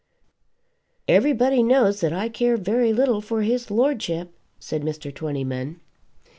"Everybody knows that I care very little for his lordship," said Mr. Twentyman.